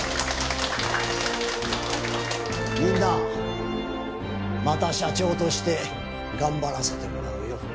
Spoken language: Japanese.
みんなまた社長として頑張らせてもらうよ。